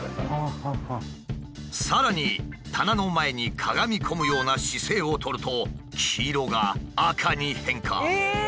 さらに棚の前にかがみ込むような姿勢を取ると黄色が赤に変化。